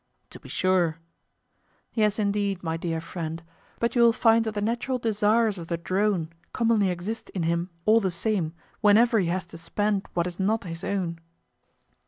To be sure. Yes, indeed, my dear friend, but you will find that the natural desires of the drone commonly exist in him all the same whenever he has to spend what is not his own.